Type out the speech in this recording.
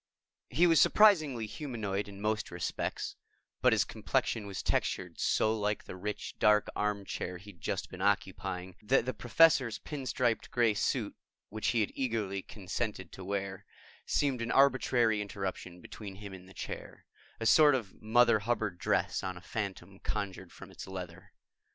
He was surprisingly humanoid in most respects, but his complexion was textured so like the rich dark armchair he'd just been occupying that the Professor's pin striped gray suit, which he had eagerly consented to wear, seemed an arbitrary interruption between him and the chair a sort of Mother Hubbard dress on a phantom conjured from its leather.